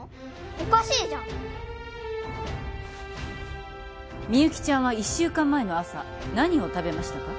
おかしいじゃんみゆきちゃんは１週間前の朝何を食べましたか？